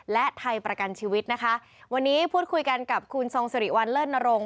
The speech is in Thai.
และไทยประกันชีวิตนะคะวันนี้พูดคุยกันกับคุณทรงสิริวัลเลิศนรงค